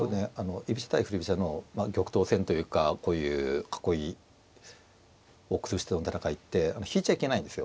居飛車対振り飛車の玉頭戦というかこういう囲いを崩したような戦いって引いちゃいけないんですよ。